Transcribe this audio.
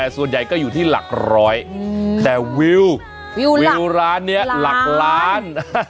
แต่ส่วนใหญ่ก็อยู่ที่หลักร้อยแต่วิววิวร้านนี้หลักล้าน